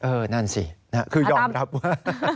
นั่นสิคือยอมรับว่า